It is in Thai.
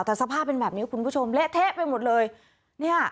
แต่สภาพเป็นแบบนี้คุณผู้ชมเละเทะไปหมดเลยเนี่ย